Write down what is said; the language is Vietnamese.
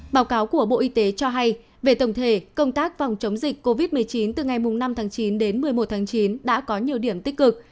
báo cáo của bộ y tế cho hay về tổng thể công tác phòng chống dịch covid một mươi chín từ ngày năm tháng chín đến một mươi một tháng chín đã có nhiều điểm tích cực